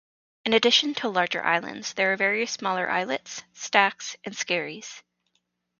In addition to the larger islands thare are various smaller islets, stacks and skerries.